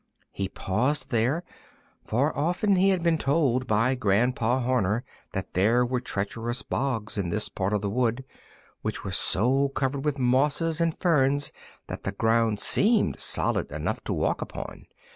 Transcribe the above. He paused here, for often he had been told by Grandpa Horner that there were treacherous bogs in this part of the wood, which were so covered with mosses and ferns that the ground seemed solid enough to walk upon.